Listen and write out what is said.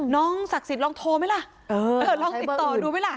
ศักดิ์สิทธิ์ลองโทรไหมล่ะลองติดต่อดูไหมล่ะ